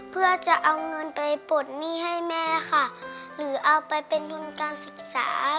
เพื่อจะเอาเงินไปปลดหนี้ให้แม่ค่ะหรือเอาไปเป็นทุนการศึกษา